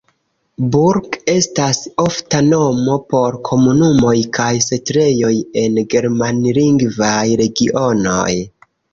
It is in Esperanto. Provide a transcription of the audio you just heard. Burg estas ofta nomo por komunumoj kaj setlejoj en germanlingvaj regionoj.